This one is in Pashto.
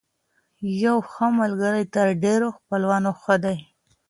يو ښه ملګری تر ډېرو خپلوانو ښه دی.